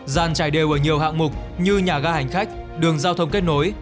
dàn trải đều ở nhiều hạng mục như nhà ga hành khách đường giao thông kết nối